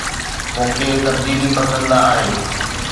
مون کي تبديلي پسند نه آهي